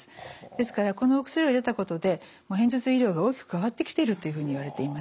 ですからこのお薬を得たことで片頭痛医療が大きく変わってきているというふうにいわれています。